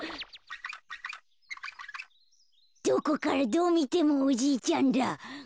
どこからどうみてもおじいちゃんだ。